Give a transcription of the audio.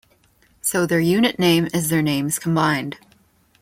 So their unit name is their names combined.